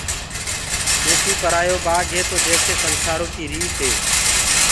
ٻيٽيٚ پرآيو بآگ هي تو جيسي اسنسآرو ڪي ريت هي،